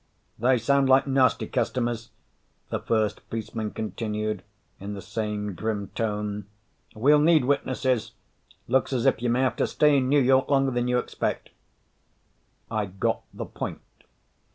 "They sound like nasty customers," the first policeman continued in the same grim tone. "We'll need witnesses. Looks as if you may have to stay in New York longer than you expect." I got the point.